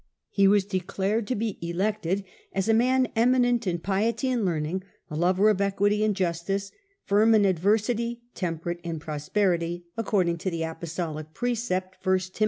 He was declared to be elected as ' a man eminent in piety and learning, a lover of equity and justice, firm in adversity, temperate in prosperity, according to the Apostolic precept (1 Tim.